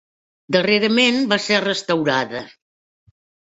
Darrerament va ser restaurada.